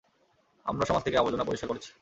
আমরা সমাজ থেকে আবর্জনা পরিষ্কার করেছি।